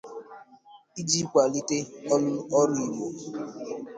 iji kwalite ọrụ ugbo